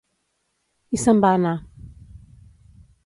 I se'n va anar.